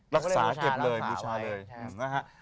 รักษาเก็บเลยบูชาเลย